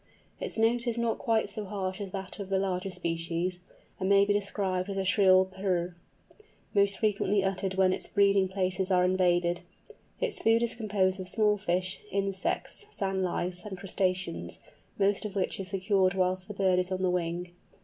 Its note is not quite so harsh as that of the larger species, and may be described as a shrill pirr, most frequently uttered when its breeding places are invaded. Its food is composed of small fish, insects, sand lice, and crustaceans, most of which is secured whilst the bird is on the wing.